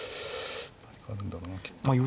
何かあるんだろうなきっと。